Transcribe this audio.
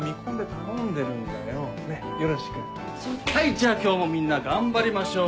じゃあ今日もみんな頑張りましょう。